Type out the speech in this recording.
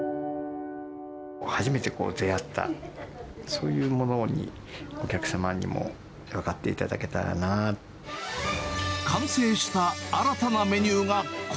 初めて出会った、そういうものにお客様にも分かっていただけ完成した新たなメニューがこ